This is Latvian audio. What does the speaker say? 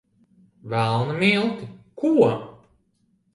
Velna milti! Ko?